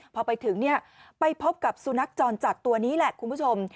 พอไปถึงเนี่ยไปพบกับสุนักจอนจักรตัวนี้แหละคุณผู้ชม